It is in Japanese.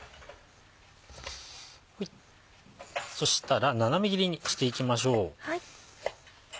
そしたら斜め切りにしていきましょう。